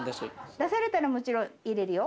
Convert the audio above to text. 出されたらもちろん入れるよ。